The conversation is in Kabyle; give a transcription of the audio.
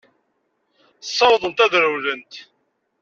Ssawḍent ad rewlent.